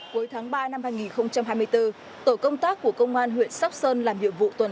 cuối tháng ba năm hai nghìn hai mươi bốn tổ công tác của công an huyện sóc sơn làm nhiệm vụ tuần tra